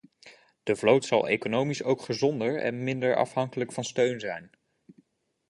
De vloot zal economisch ook gezonder en minder afhankelijk van steun zijn.